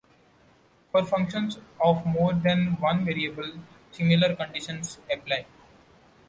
For functions of more than one variable, similar conditions apply.